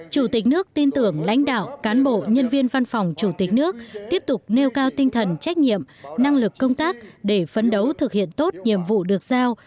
chủ tịch nước tin tưởng lãnh đạo cán bộ nhân viên văn phòng chủ tịch nước tiếp tục nêu cao tinh thần trách nhiệm năng lực công tác để phấn đấu thực hiện tốt nhiệm vụ được giao